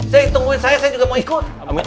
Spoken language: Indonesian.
saya tungguin saya saya juga mau ikut